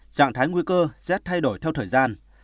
trạng thái nguy cơ rét thay đổi theo thời gian